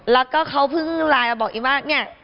แล้วก็เขาเพิ่งไลน์มาบอกอีว่าเนี่ย